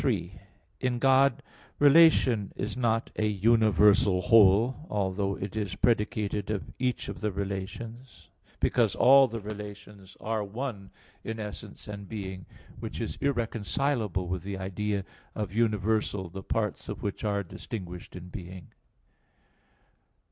3: In God relation is not a universal whole, although it is predicated of each of the relations; because all the relations are one in essence and being, which is irreconcilable with the idea of universal, the parts of which are distinguished in being.